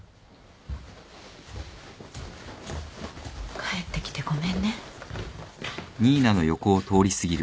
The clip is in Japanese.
帰ってきてごめんね。